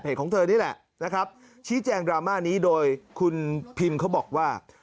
ของเธอนี่แหละนะครับชี้แจงดราม่านี้โดยคุณพิมเขาบอกว่า